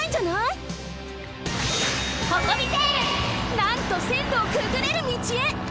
なんとせんろをくぐれる道へ！